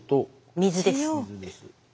水です。